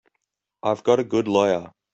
I've got a good lawyer.